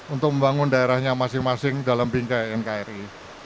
untuk membangun daerahnya masing masing dalam bingkai nkri